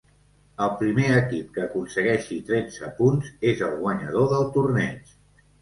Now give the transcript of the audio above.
El primer equip que aconsegueixi tretze punts és el guanyador del torneig.